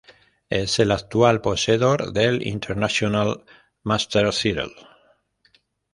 Es el actual poseedor del International Master Title.